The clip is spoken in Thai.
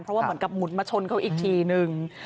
เพราะว่าเหมือนกับหมุนมาชนเขาอีกทีนึง